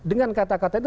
dengan kata kata itu